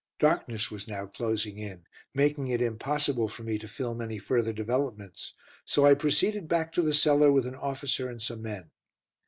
Darkness was now closing in, making it impossible for me to film any further developments, so I proceeded back to the cellar with an officer and some men.